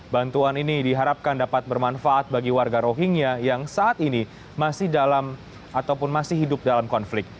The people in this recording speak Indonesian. bantuan ini diharapkan dapat bermanfaat bagi warga rohingya yang saat ini masih dalam ataupun masih hidup dalam konflik